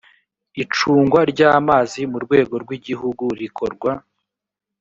icungwa ry ‘amazi mu rwego rw ‘igihugu rikorwa.